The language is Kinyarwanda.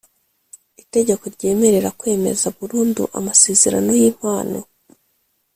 Itegeko ryemerera kwemeza burundu amasezerano y impano